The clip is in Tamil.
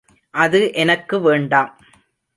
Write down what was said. அது எனக்கு வேண்டாம்.